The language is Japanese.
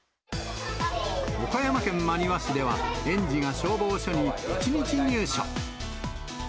岡山県真庭市では、園児が消防署に一日入署。